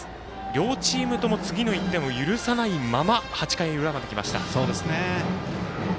両チームとも次の１点を許さないまま８回の裏まできました。